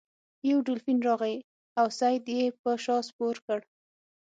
یو دولفین راغی او سید یې په شا سپور کړ.